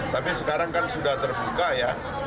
tapi sekarang kan sudah terbuka ya